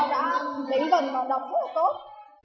đánh phần vào đọc rất là tốt